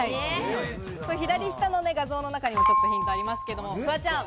左下の画像の中にもちょっとヒントありますけれども、フワちゃん。